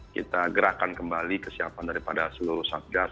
kita gerakan kembali kesiapan daripada seluruh satgas